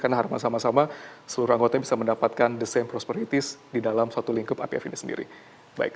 karena harapan sama sama seluruh anggotanya bisa mendapatkan the same prosperity di dalam satu lingkup ipf ini sendiri